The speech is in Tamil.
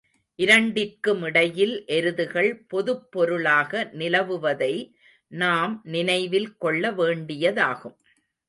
இரண்டிற்கு மிடையில் எருதுகள் பொதுப்பொருளாக நிலவுவதை நாம் நினைவில் கொள்ள வேண்டியதாகும்.